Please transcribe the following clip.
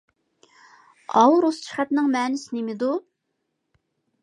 ئاۋۇ رۇسچە خەتنىڭ مەنىسى نېمىدۇ؟